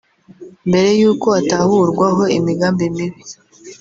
Mbere y’uko atahurwaho imigambi mibi